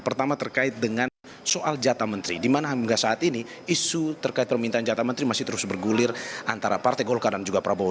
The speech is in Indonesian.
pertama terkait dengan soal jatah menteri di mana hingga saat ini isu terkait permintaan jatah menteri masih terus bergulir antara partai golkar dan juga prabowo